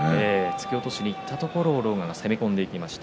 突き落としにいったところを狼雅が攻め込んでいきました。